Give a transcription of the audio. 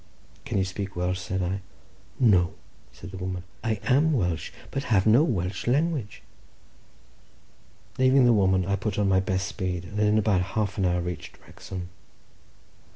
"Can you speak Welsh?" said I. "No," said the woman; "I are Welsh, but have no Welsh language." Leaving the woman, I put on my best speed, and in about half an hour reached Wrexham.